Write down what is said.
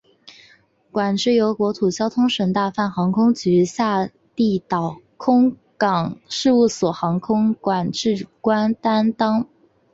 管制由国土交通省大阪航空局下地岛空港事务所航空管制官担当。